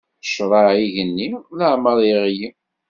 Ccṛeɛ igenni leɛmeṛ iɣli.